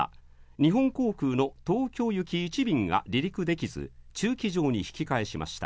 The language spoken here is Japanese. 日本航空の東京行き１便が離陸できず、駐機場に引き返しました。